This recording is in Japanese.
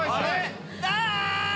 あ！